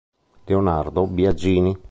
Leonardo Biagini